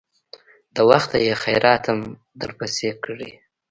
د وخته يې خيراتم درپسې کړى.